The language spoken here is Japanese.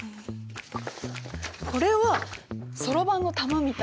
これはそろばんの玉みたい。